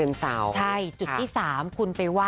ง่ายเลยฮ